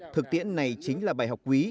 thực tiễn này chính là bài học quý